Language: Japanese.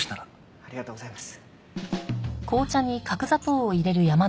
ありがとうございます。